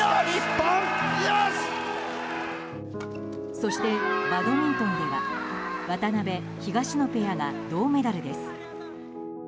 そしてバドミントンでは渡辺、東野ペアが銅メダルです。